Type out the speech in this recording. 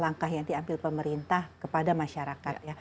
langkah yang diambil pemerintah kepada masyarakat ya